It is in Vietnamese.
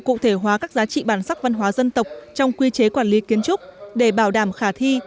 cụ thể hóa các giá trị bản sắc văn hóa dân tộc trong quy chế quản lý kiến trúc để bảo đảm khả thi